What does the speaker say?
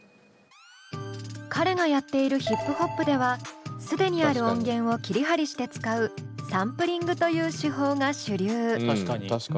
彼がやっているヒップホップでは既にある音源を切り貼りして使うサンプリングという手法が主流。